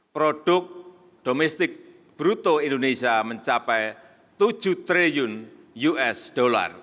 produk domestik bruto indonesia mencapai tujuh triliun usd